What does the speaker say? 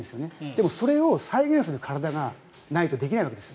でも、それを再現する体がないとできないわけです。